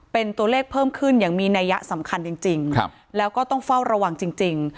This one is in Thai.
เป็นตัวเลขเพิ่มขึ้นอย่างมีนัยยะสำคัญจริงแล้วก็ต้องเฝ้าระวังจริง